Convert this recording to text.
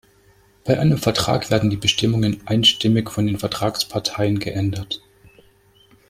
Bei einem Vertrag werden die Bestimmungen einstimmig von den Vertragsparteien geändert.